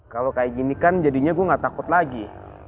kalau kayak gini kan jadinya gue gak takut lagi